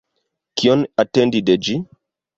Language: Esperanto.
Kion atendi de ĝi?